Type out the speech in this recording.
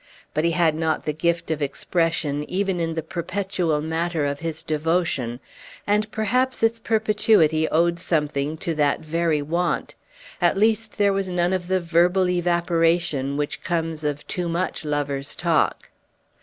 But he had not the gift of expression, even in the perpetual matter of his devotion; and perhaps its perpetuity owed something to that very want; at least there was none of the verbal evaporation which comes of too much lovers' talk.